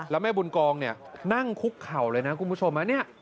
แล้วแม่บุญกองเนี่ยนั่งคุกเข่าเลยนะคุณผู้ชมนะ